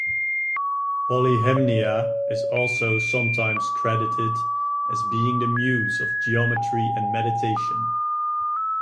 Polyhymnia is also sometimes credited as being the Muse of geometry and meditation.